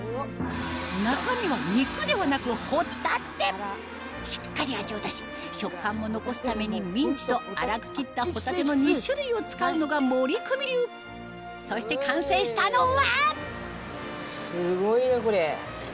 中身は肉ではなく帆立しっかり味を出し食感も残すためにミンチと粗く切った帆立の２種類を使うのが森クミ流そして完成したのはすごいなこれ。